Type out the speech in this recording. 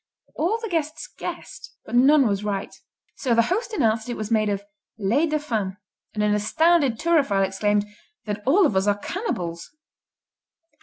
All the guests guessed, but none was right. So the host announced it was made of "lait de femme" and an astounded turophile exclaimed, "Then all of us are cannibals."